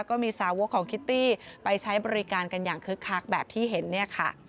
ก็มีสาวกของคิตตี้ไปใช้บริการกันอย่างคึกคักแบบที่เห็นเนี่ยค่ะ